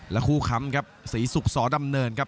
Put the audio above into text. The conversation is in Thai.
และคู่คำครับสีสุกสอดำเนินครับ